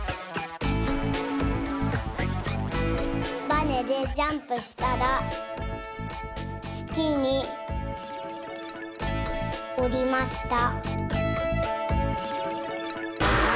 バネでジャンプしたらつきにおりました。